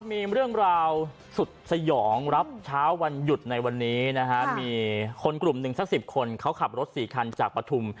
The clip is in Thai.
มีเรื่องราวสุดสยองรับเช้าวันหยุดในวันนี้นะฮะมีคนกลุ่มหนึ่งสัก๑๐คนเขาขับรถ๔คันจากปฐุม